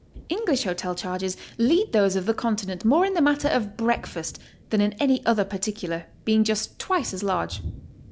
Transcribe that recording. English hotel charges lead those of the Continent more in the matter of breakfast than in any other particular, being just* twice as large.